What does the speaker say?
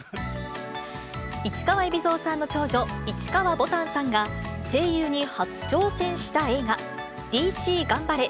市川海老蔵さんの長女、市川ぼたんさんが、声優に初挑戦した映画、ＤＣがんばれ！